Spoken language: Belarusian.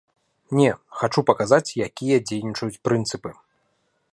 Не, хачу паказаць, якія дзейнічаюць прынцыпы.